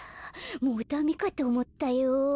もうダメかとおもったよ。